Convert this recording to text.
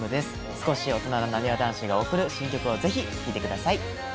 少し大人ななにわ男子が送る新曲をぜひ聴いてください。